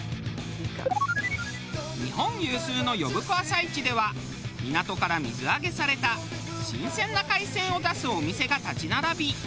日本有数の呼子朝市では港から水揚げされた新鮮な海鮮を出すお店が立ち並び